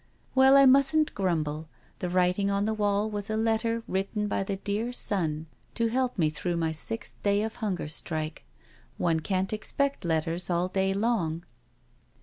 Well, I mustn't grumble, the writing on the wall was a letter written by the dear sun to help me through my sixth day of hunger strike— one can't expect letters all day long.